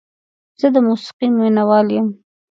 زه د موسیقۍ مینه وال یم.